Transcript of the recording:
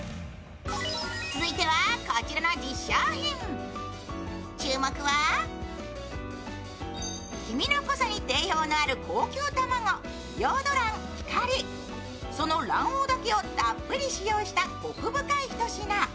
続いてはこちらの１０商品、注目は黄身の濃さに定評のある高級卵ヨード卵・光その卵黄だけをたっぷり使用したコク深いひと品。